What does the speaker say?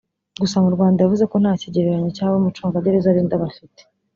Gusa mu Rwanda yavuze ko nta kigereranyo cy’abo umucungagereza arinda bafite